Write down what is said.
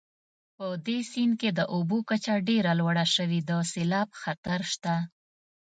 په دې سیند کې د اوبو کچه ډېره لوړه شوې د سیلاب خطر شته